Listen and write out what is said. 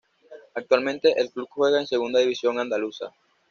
Actualmente el club juega en Segunda División Andaluza.